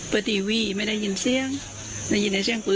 เปิดทีวีไม่ได้ยินเสียงไม่ได้ยินในเสียงฟื้น